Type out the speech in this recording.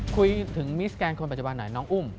คุยถึงมิสแกนคนปัจจุบันหน่อยน้องอุ้ม